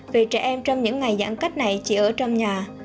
vì trẻ em trong những ngày giãn cách này chỉ ở trong nhà